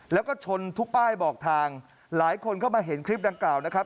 แล้วก็ชนทุกป้ายบอกทางหลายคนเข้ามาเห็นคลิปดังกล่าวนะครับ